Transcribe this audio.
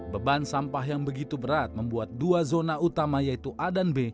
beban sampah yang begitu berat membuat dua zona utama yaitu a dan b